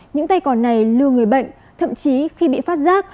những tay cò này lưu người bệnh thậm chí khi bị phát giác